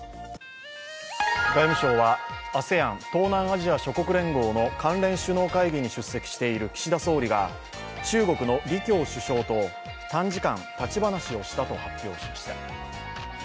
外務省はＡＳＥＡＮ＝東南アジア諸国連合の関連首脳会議に出席している岸田総理が中国の李強首相と短時間立ち話をしたと発表しました。